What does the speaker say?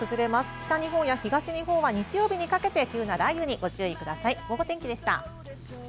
北日本や東日本は日曜にかけて急な雷雨にご注意ください、ゴゴ天気でした。